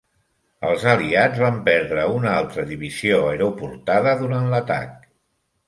Els aliats van perdre una altra divisió aeroportada durant l'atac.